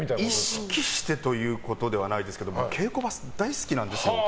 意識してということではないですけども稽古場、大好きなんですよ。